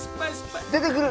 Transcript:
出てくる。